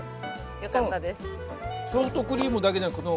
よかったです。